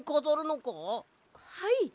はい！